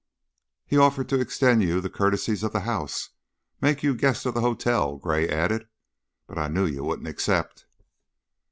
"He offered to extend you the courtesies of the house make you guests of the hotel," Gray added, "but I knew you wouldn't accept."